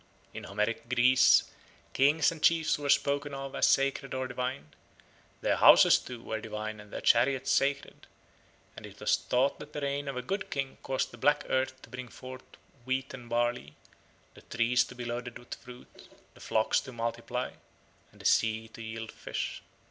In Homeric Greece kings and chiefs were spoken of as sacred or divine; their houses, too, were divine and their chariots sacred; and it was thought that the reign of a good king caused the black earth to bring forth wheat and barley, the trees to be loaded with fruit, the flocks to multiply, and the sea to yield fish.